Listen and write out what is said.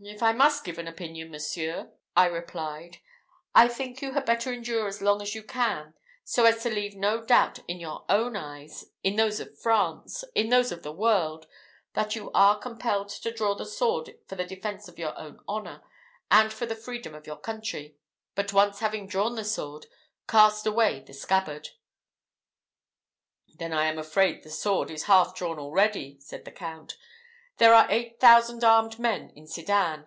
"If I must give an opinion, monseigneur," I replied, "I think you had better endure as long as you can, so as to leave no doubt in your own eyes in those of France in those of the world that you are compelled to draw the sword for the defence of your own honour, and for the freedom of your country. But once having drawn the sword, cast away the scabbard." "Then I am afraid the sword is half drawn already," said the Count. "There are eight thousand armed men in Sedan.